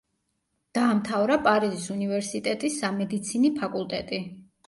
დაამთავრა პარიზის უნივერსიტეტის სამედიცინი ფაკულტეტი.